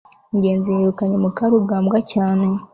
ngenzi yirukanye mukarugambwa cyane